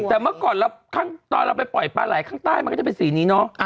แต่เมื่อก่อนตอนเราไปปล่อยปลาไหล่ข้างใต้มันก็จะเป็นสีนี้เนอะ